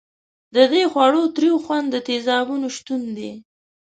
د دې خوړو تریو خوند د تیزابونو شتون دی.